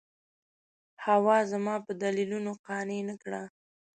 حوا زما په دلیلونو قانع نه کړه.